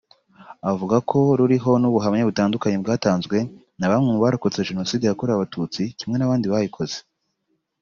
Avuga ko ruriho n’ubuhamya butandukanye bwatanzwe na bamwe mu barokotse Jenoside yakorewe Abatutsi kimwe n’abandi bayikoze